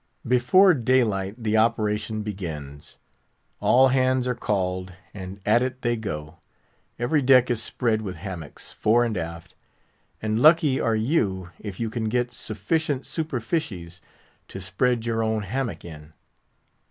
Before daylight the operation begins. All hands are called, and at it they go. Every deck is spread with hammocks, fore and aft; and lucky are you if you can get sufficient superfices to spread your own hammock in.